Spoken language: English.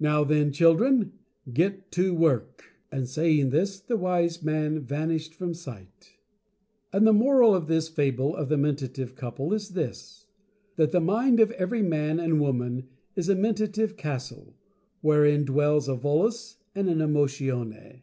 Now, then Children, GET TO WORK !" And saying this, the Wise Man vanished from sight. THE MORAL. And the Moral of this Fable of The Mentative Couple is this: That the Mind of every Man and Woman is a Mentative Castle, wherein dwells a Volos and an Emotione.